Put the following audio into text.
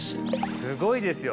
すごいですよ。